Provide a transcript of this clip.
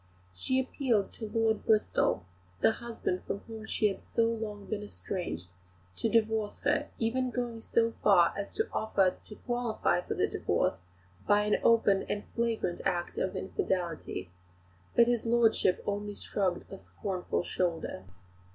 She appealed to Lord Bristol, the husband from whom she had so long been estranged, to divorce her, even going so far as to offer to qualify for the divorce by an open and flagrant act of infidelity; but his lordship only shrugged a scornful shoulder.